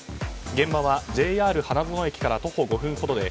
現場はＪＲ花園駅から徒歩５分ほどで